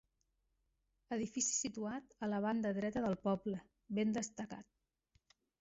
Edifici situat a la banda dreta del poble, ben destacat.